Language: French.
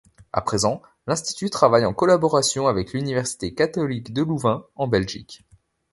À présent, l'Institut travaille en collaboration avec l'Université catholique de Louvain, en Belgique.